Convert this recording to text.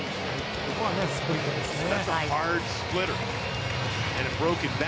ここはスプリットでしたね。